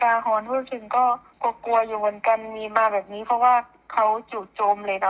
โดนคือดาฮรอะไรจึงก็กลัวอยู่เหมือนกันมีมาแบบนี้เพราะว่าเขาจูโจมเลยนะ